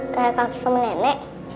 kayak kaki sama nenek